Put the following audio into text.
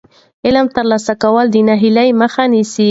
علم ترلاسه کول د ناهیلۍ مخه نیسي.